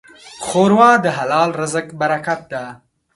ښوروا د حلال رزق برکت ده.